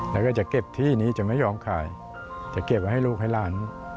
แล้วก็จะเก็บที่นี้จะไม่ยอมขายจะเก็บไว้ให้ลูกให้หลาน